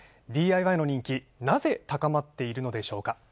ＤＩＹの人気なぜ高まっているのでしょうか。